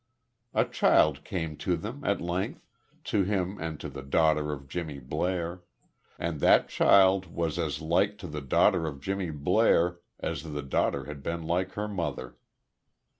A child came to them, at length to him and to the daughter of Jimmy Blair; and that child was as like to the daughter of Jimmy Blair as the daughter had been like her mother.